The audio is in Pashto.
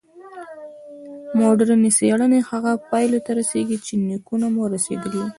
مډرني څېړنې هغو پایلو ته رسېږي چې نیکونه مو رسېدلي وو.